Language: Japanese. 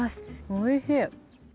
おいしい。